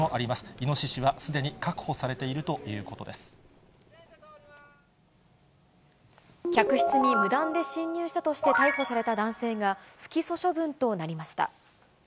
イノシシはすでに確保さ客室に無断で侵入したとして逮捕された男性が、不起訴処分となりました。